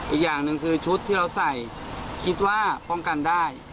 อีกอย่างหนึ่งคือชุดที่เราใส่คิดว่าป้องกันได้